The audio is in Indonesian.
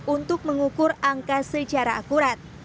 untuk mengukur angka secara akurat